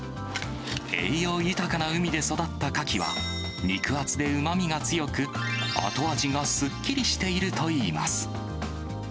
栄養豊かな海で育ったカキは、肉厚でうまみが強く、後味がすっきりしているといいます。